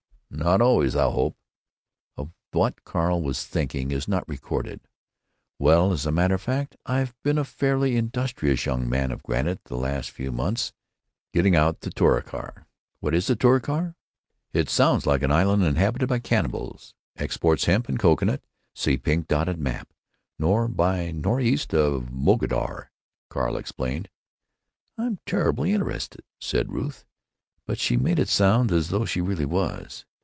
"Not always, I hope!" Of what Carl was thinking is not recorded. "Well, as a matter of fact, I've been a fairly industrious young man of granite the last few months, getting out the Touricar." "What is a Touricar? It sounds like an island inhabited by cannibals, exports hemp and cocoanut, see pink dot on the map, nor' by nor'east of Mogador." Carl explained. "I'm terribly interested," said Ruth. (But she made it sound as though she really was.)